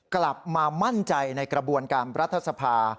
กลับมามั่นใจในกระบวนการรัฐสภา